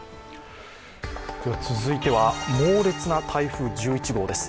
続いては、猛烈な台風１１号です。